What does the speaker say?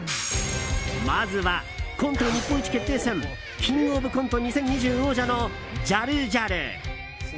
まずは、コント日本一決定戦「キングオブコント２０２０」王者のジャルジャル！